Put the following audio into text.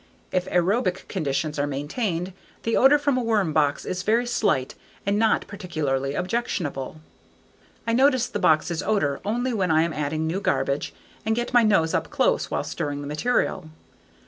If aerobic conditions are maintained, the odor from a worm box is very slight and not particularly objectionable. I notice the box's odor only when I am adding new garbage and get my nose up close while stirring the material.